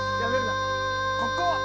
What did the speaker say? ここ！